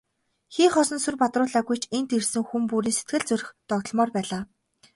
Хий хоосон сүр бадруулаагүй ч энд ирсэн хүн бүрийн зүрх сэтгэл догдолмоор байлаа.